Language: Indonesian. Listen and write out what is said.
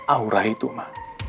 aura itu ma